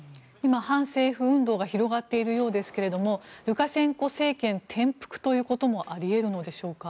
反政府運動が広がっているようですけどルカシェンコ政権転覆ということもあり得るのでしょうか。